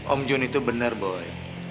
om jun itu benar boy